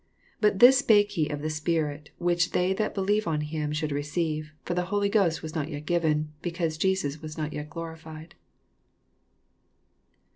39 (Bat this spake he of the Spirit, which they that believe on him shonld receive: for the Holy Qhost was not yet^ven; because that Jesus was not yet glorified.)